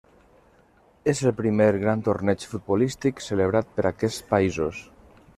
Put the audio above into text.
És el primer gran torneig futbolístic celebrat per aquests països.